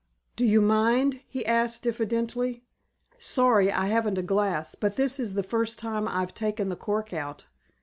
"Do you mind?" he asked diffidently. "Sorry I haven't a glass, but this is the first time I've taken the cork out."